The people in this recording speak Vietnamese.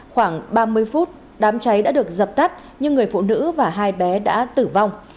khoảng ba mươi phút đám cháy đã được dập tắt nhưng người phụ nữ và hai bé đã tử vong